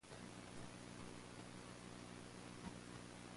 They are a scheduled ancient monument.